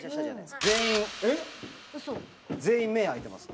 全員全員目開いています。